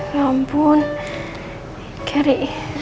ya ampun geri